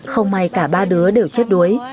không may cả ba đứa đều chết đuối